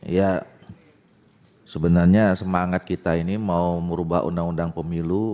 ya sebenarnya semangat kita ini mau merubah undang undang pemilu